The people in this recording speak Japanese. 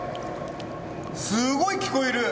すごい聴こえる！